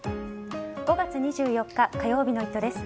５月２４日火曜日の「イット！」です。